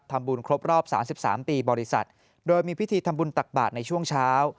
ทำบุญครบรอบสามสิบสามปีบริษัทโดยมีพิธีทำบุญตักบาทในช่วงเช้า